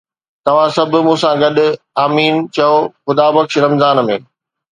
توهان سڀ مون سان گڏ "آمين" چئو، خدا بخش! رمضان ۾